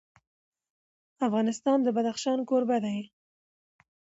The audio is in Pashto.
افغانستان د بدخشان کوربه دی.